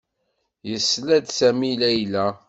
Yesla-d Sami i Layla.